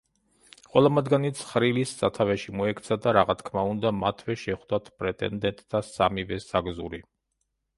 ყველა მათგანი ცხრილის სათავეში მოექცა და რაღა თქმა უნდა მათვე შეხვდათ პრეტენდენტთა სამივე საგზური.